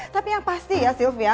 tapi yang pasti ya silvia